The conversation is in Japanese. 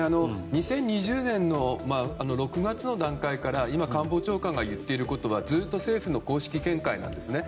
２０２０年の６月の段階から今、官房長官が言っていることはずっと政府の公式見解なんですね。